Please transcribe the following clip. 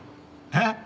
えっ？